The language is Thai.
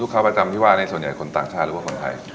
ค้าประจำที่ว่าในส่วนใหญ่คนต่างชาติหรือว่าคนไทย